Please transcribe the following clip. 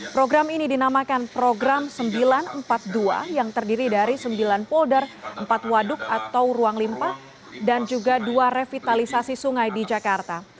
program ini dinamakan program sembilan ratus empat puluh dua yang terdiri dari sembilan polder empat waduk atau ruang limpah dan juga dua revitalisasi sungai di jakarta